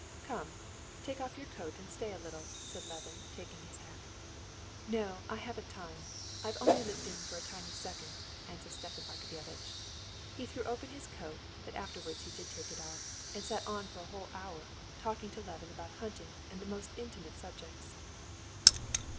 "Come, take off your coat and stay a little," said Levin, taking his hat. "No, I haven't time; I've only looked in for a tiny second," answered Stepan Arkadyevitch. He threw open his coat, but afterwards did take it off, and sat on for a whole hour, talking to Levin about hunting and the most intimate subjects.